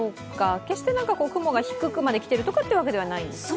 決して雲が低くまで来ているとかではないんですね？